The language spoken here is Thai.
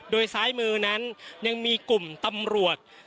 โดยซ้ายมือนั้นยังมีกลุ่มตำรวจ